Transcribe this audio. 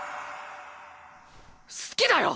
好きだよ！